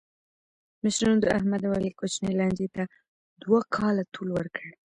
مشرانو د احمد او علي کوچنۍ لانجې ته دوه کاله طول ورکړ.